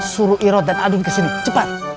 suruh irot dan adin kesini cepat